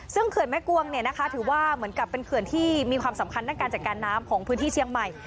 ซึ่งเขื่อนแม่กวงเนี่ยนะคะถือว่าเหมือนกับเป็นเขื่อนที่มีความสำคัญด้านการจัดการน้ำของพื้นที่เชียงใหม่